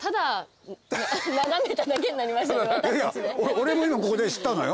俺も今ここで知ったのよ。